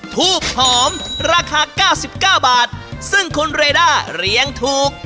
ทูบหอมราคา๙๙บาทซึ่งคุณเรด้าเลี้ยงถูก